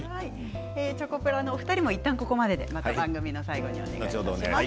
チョコプラの皆さんもいったんここまでで番組の最後お願いします。